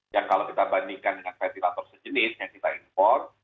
yang kalau kita bandingkan dengan ventilator sejenis yang kita import